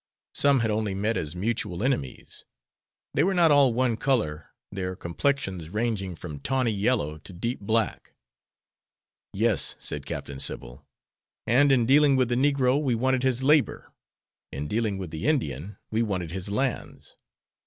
Some had only met as mutual enemies. They were not all one color, their complexions ranging from tawny yellow to deep black." "Yes," said Captain Sybil, "and in dealing with the negro we wanted his labor; in dealing with the Indian we wanted his lands.